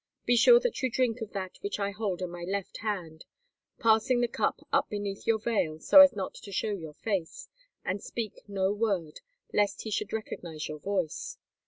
Be sure that you drink of that which I hold in my left hand, passing the cup up beneath your veil so as not to show your face, and speak no word, lest he should recognise your voice.